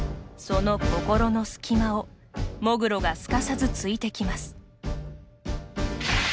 その心の隙間を喪黒がすかさず、ついてきます。